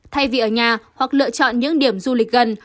thay vì ở nhà hoặc lựa chọn những điểm du lịch gần